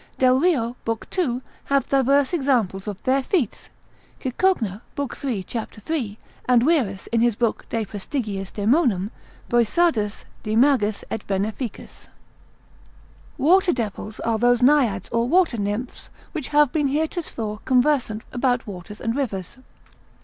Delrio, lib. 2. hath divers examples of their feats: Cicogna, lib. 3. cap. 3. and Wierus in his book de praestig. daemonum. Boissardus de magis et veneficis. Water devils are those Naiads or water nymphs which have been heretofore conversant about waters and rivers.